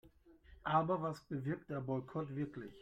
Aber was bewirkt der Boykott wirklich?